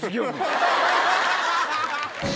ハハハ！